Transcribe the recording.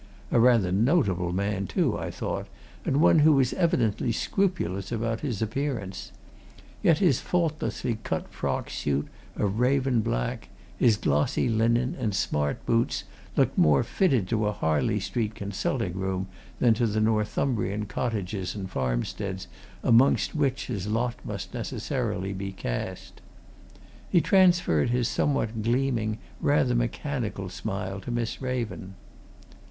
A rather notable man, too, I thought, and one who was evidently scrupulous about his appearance yet his faultlessly cut frock suit of raven black, his glossy linen, and smart boots looked more fitted to a Harley Street consulting room than to the Northumbrian cottages and farmsteads amongst which his lot must necessarily be cast. He transferred his somewhat gleaming, rather mechanical smile to Miss Raven.